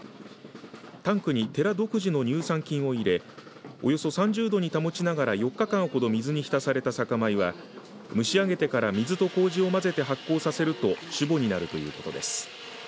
タンクに寺独自の乳酸菌を入れおよそ３０度に保ちながら４日間ほど水にひたされた酒米は蒸し上げてから水とこうじを混ぜて発酵させると酒母になるということです。